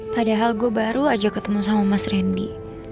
padahal gue baru aja ketemu sama mas randy